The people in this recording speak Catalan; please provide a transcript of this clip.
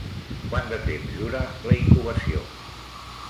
Quant de temps dura la incubació?